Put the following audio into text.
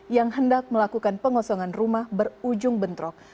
yang hendak melakukan pengosongan rumah berujung bentrok